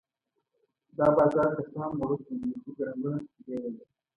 دا بازار که څه هم وړوکی دی خو ګڼه ګوڼه په کې ډېره ده.